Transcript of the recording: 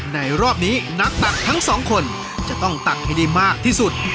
รอบนี้นักตักทั้งสองคนจะต้องตักให้ได้มากที่สุด